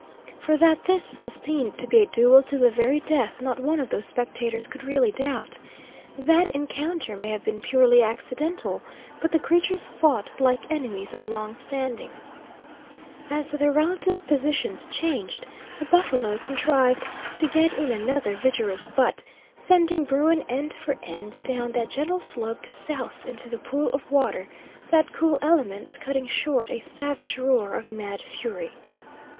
For that this was destined to be a duel to the very death not one of those spectators could really doubt. That encounter may have been purely accidental, but the creatures fought like enemies of long standing. As their relative positions changed, the buffalo contrived to get in another vigorous butt, sending bruin end for end down that gentle slope to souse into the pool of water, that cool element cutting short a savage roar of mad fury.